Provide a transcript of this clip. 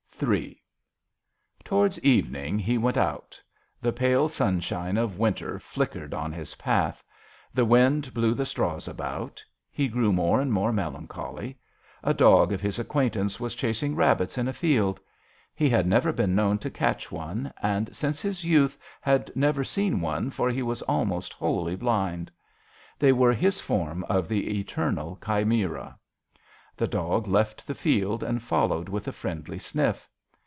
III. COWARDS evening he went out The pale sunshine of winter flickered on his path. The wind blew the straws about. He grew more and more melancholy. A dog of his acquaintance was chasing rabbits in a field. He had never been known to catch one, and since his youth had never seen one for he was almost wholly blind. They were his form of the eternal chimera. The dog left the field and followed with a friendly sniff.